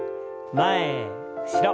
前後ろ。